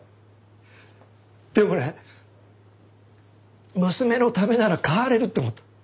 でもね娘のためなら変われると思った。